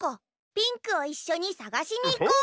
ピンクをいっしょにさがしにいこう！